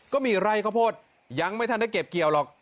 ก็มีไร่ข้าวโพดยังไม่ทันได้เก็บเกี่ยวหรอก